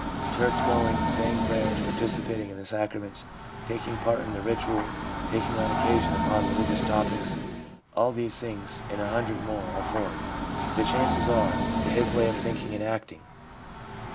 Church going, saying prayers, participating in the sacraments, taking part in the ritual, talking on occasion upon religious topics, all these things and a hundred more are foreign, the chances are, to his way of thinking and acting.